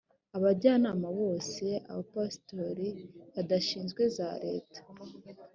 abajyanama bose abapasitori badashinzwe za leta